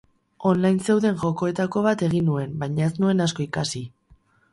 Online zeuden jokoetako bat egin nuen baina ez nuen asko ikasi.